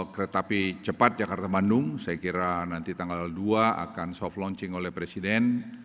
kereta api cepat jakarta bandung saya kira nanti tanggal dua akan soft launching oleh presiden